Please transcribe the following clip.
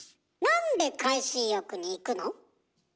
なんで海水浴に行くの？